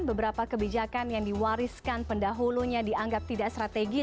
beberapa kebijakan yang diwariskan pendahulunya dianggap tidak strategis